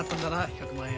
１００万円。